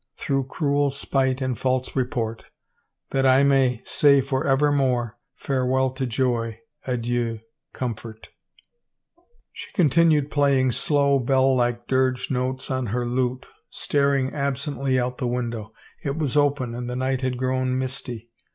Through cruel spite and false report; That 1 may say for evermore Farewell to joy, adieu comfort She continued playing slow, bell like dirge notes on her lute, staring absently out the window. It was open and the night had grown misty.